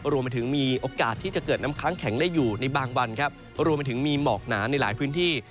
รวมไปถึงมีโอกาสที่จะเกิดน้ำค้างแข็งได้อยู่ในบางวันครับรวมไปถึงมีหมอกหนาในหลายพื้นที่